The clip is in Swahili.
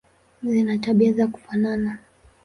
Zina tabia za kufanana.